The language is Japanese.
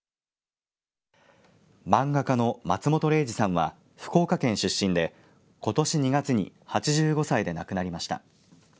漫画家の松本零士さんは福岡県出身でことし２月に８５歳で亡くなりました。